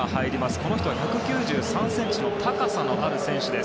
この人は１９３ｃｍの高さのある選手です。